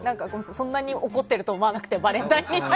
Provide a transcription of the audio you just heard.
そんなに怒ってると思ってなくてバレンタインに。